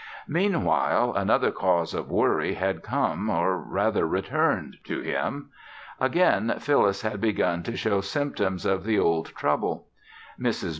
Meanwhile, another cause of worry had come or rather returned to him. Again, Phyllis had begun to show symptoms of the old trouble. Mrs.